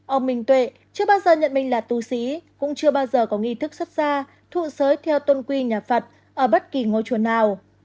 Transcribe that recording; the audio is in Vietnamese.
ông minh tuệ chưa bao giờ nhận mình là tù sĩ cũng chưa bao giờ có nghi thức xuất ra thụ sới theo tuân quy nhà phật ở bất kỳ ngôi chùa nào